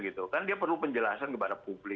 gitu kan dia perlu penjelasan kepada publik